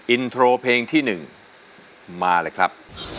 อินโทรเพลงที่๑มาเลยครับ